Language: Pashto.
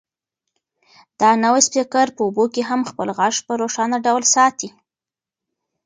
دا نوی سپیکر په اوبو کې هم خپل غږ په روښانه ډول ساتي.